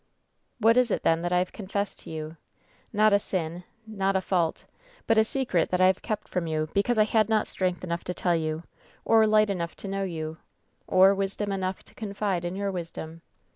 "What is it, then, that I have confessed to you ? Not a sin, not a fault, but a secret that I have kept from you because I had not strength enough to tell you, or light enough to know you, or wisdom enough to confide in your wisdom.